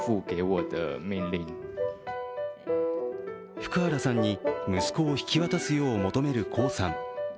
福原さんに息子を引き渡すよう求める江さん。